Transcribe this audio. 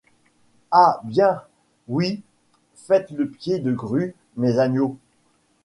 Ah bien, oui ! faites le pied de grue, mes agneaux…